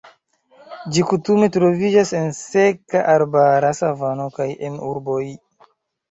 Ĝi kutime troviĝas en seka arbara savano kaj en urboj.